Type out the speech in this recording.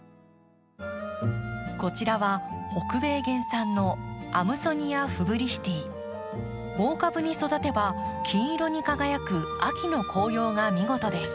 こちらは北米原産の大株に育てば金色に輝く秋の黄葉が見事です。